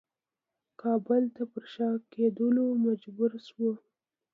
کابل ته پر شا کېدلو مجبور شو.